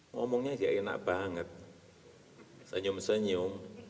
ngomongnya sih enak banget senyum senyum